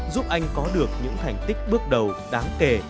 giúp anh có được những thành tích bước đầu đáng kể